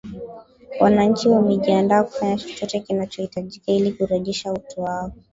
wananchi wamejiandaa kufanya chochote kinachohitajika ili kurejesha utu wao